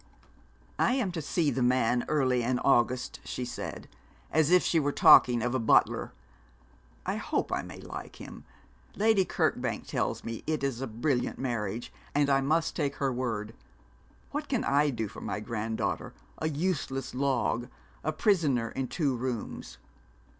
'I am to see the man early in August,' she said, as if she were talking of a butler. 'I hope I may like him. Lady Kirkbank tells me it is a brilliant marriage, and I must take her word. What can I do for my granddaughter a useless log a prisoner in two rooms?'